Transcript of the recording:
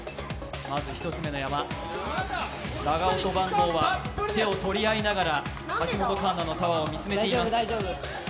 まず１つ目の山、長尾と坂東は手を取り合いながら、橋本環奈のタワーを見つめています。